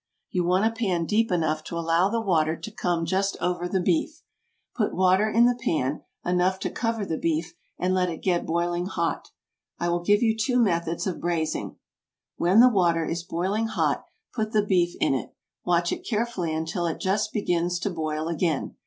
You want a pan deep enough to allow the water to come just over the beef. Put water in the pan, enough to cover the beef, and let it get boiling hot. I will give you two methods of braising. When the water is boiling hot, put the beef in it; watch it carefully until it just begins to boil again.